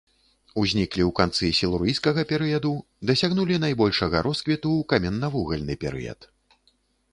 Узніклі ў канцы сілурыйскага перыяду, дасягнулі найбольшага росквіту ў каменнавугальны перыяд.